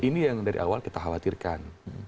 ini yang dari awal kita khawatirkan